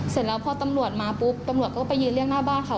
เสร็จแล้วพอตำรวจมาปุ๊บตำรวจก็ไปยืนเรียกหน้าบ้านเขา